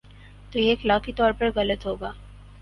تو یہ اخلاقی طور پر غلط ہو گا۔